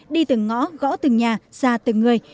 đi từng ngõ gõ từng nhà ra từng người